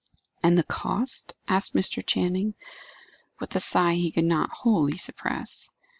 "And the cost?" asked Mr. Channing, with a sigh he could not wholly suppress.